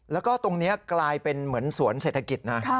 แล้วก็ตรงนี้กลายเป็นเหมือนสวนเศรษฐกิจนะ